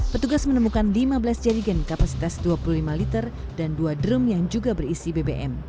petugas menemukan lima belas jadigen kapasitas dua puluh lima liter dan dua drum yang juga berisi bbm